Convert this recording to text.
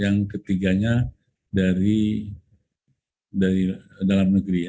yang ketiganya dari dalam negeri ya